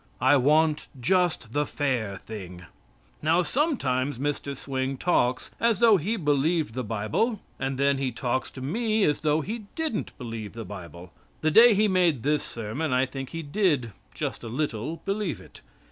I want just the fair thing. Now, sometimes Mr. Swing talks as though he believed the Bible, and then he talks to me as though he didn't believe the Bible. The day he made this sermon I think he did, just a little, believe it.